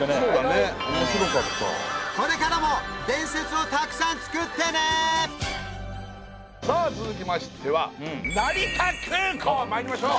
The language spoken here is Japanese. これからも伝説をたくさん作ってねさあ続きましては成田空港まいりましょう！